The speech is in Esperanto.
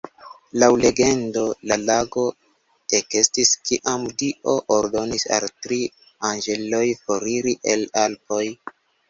Laŭ legendo la lago ekestis, kiam Dio ordonis al tri anĝeloj foriri el Alpoj.